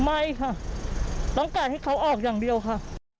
ไม่ค่ะต้องการให้เขาออกอย่างเดียวค่ะ